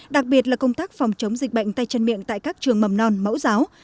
đặc biệt là công tác phòng chống dịch bệnh tay chân miệng tại các trường mầm non mẫu giáo